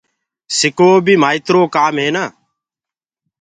سڪووو بي مآئيترو ڪآم هي نآ